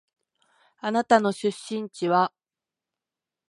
あなたの出身地は？